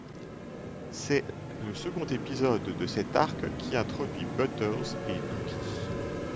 C'est le second épisode de cet arc qui introduit Butters et Dougie.